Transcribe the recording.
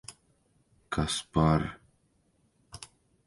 Kas par...